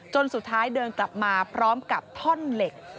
สุดท้ายเดินกลับมาพร้อมกับท่อนเหล็ก